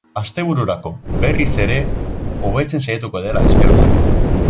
Astebururako, berriz ere, hobetzen hasiko dela espero da.